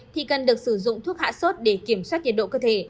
thì cần được sử dụng thuốc hạ sốt để kiểm soát nhiệt độ cơ thể